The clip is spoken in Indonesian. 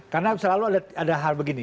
karena selalu ada hal begini